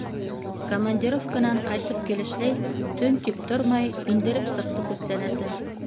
Командировканан ҡайтып килешләй, төн тип тормай индереп сыҡты күстәнәсен...